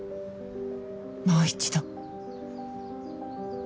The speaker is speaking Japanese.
もう一度。